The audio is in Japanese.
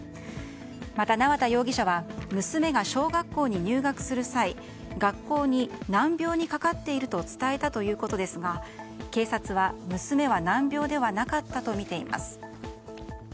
また、縄田容疑者は娘が小学校に入学する際学校に難病にかかっていると伝えたということですが警察は、娘は難病ではなかったとみています。